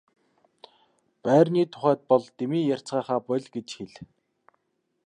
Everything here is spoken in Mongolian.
Байрны тухайд бол дэмий ярьцгаахаа боль гэж хэл.